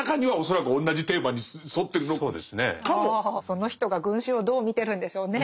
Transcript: その人が群衆をどう見てるんでしょうね。